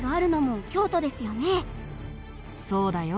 そうだよ。